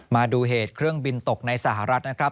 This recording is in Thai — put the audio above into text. มาดูเหตุเครื่องบินตกในสหรัฐนะครับ